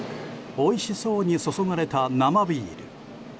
おいしそうに注がれた生ビール。